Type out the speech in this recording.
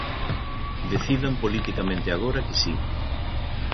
Decidan politicamente agora que si.